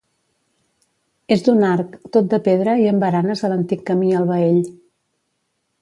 És d'un arc, tot de pedra i amb baranes a l'antic camí al Baell.